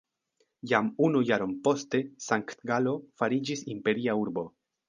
Jam unu jaron poste Sankt-Galo fariĝis imperia urbo.